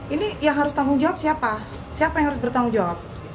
ini yang harus tanggung jawab siapa siapa yang harus bertanggung jawab